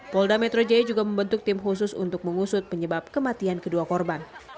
polda metro jaya juga membentuk tim khusus untuk mengusut penyebab kematian kedua korban